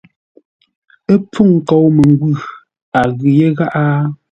Ə́ mpfúŋ nkou məngwʉ̂, a ghʉ yé gháʼá ?